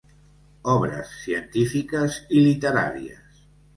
Obres científiques i literàries.